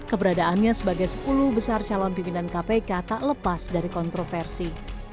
keberadaannya sebagai sepuluh besar calon pimpinan kpk tak lepas dari kontroversi